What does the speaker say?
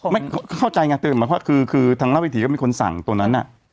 ไม่เข้าใจไงแต่หมายความว่าคือทางราชวิถีก็มีคนสั่งตัวนั้นน่ะ